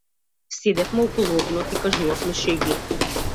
Седевме околу огнот и кажувавме шеги.